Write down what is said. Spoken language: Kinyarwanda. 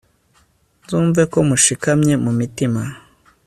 nzumve ko mushikamye mu mitima